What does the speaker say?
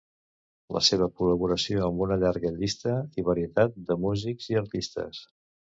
La seva col·laboració amb una llarga llista i varietat de músics i artistes.